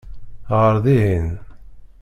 Ɣer dihin!